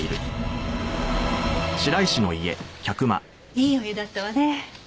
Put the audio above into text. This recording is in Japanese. いいお湯だったわね。